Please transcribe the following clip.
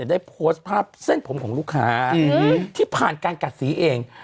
ได้โพสต์ภาพเส้นผมของลูกค้าที่ผ่านการกัดสีเอง